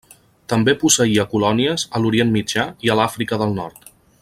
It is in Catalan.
També posseïa colònies a l'Orient Mitjà i a l'Àfrica del Nord.